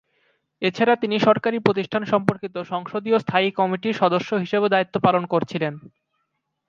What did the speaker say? এছাড়া তিনি সরকারি প্রতিষ্ঠান সম্পর্কিত সংসদীয় স্থায়ী কমিটির সদস্য হিসেবেও দায়িত্ব পালন করেছিলেন।